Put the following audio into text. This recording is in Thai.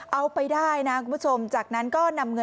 เอาไปได้นะคุณผู้ชม